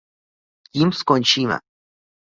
Tím skončíme.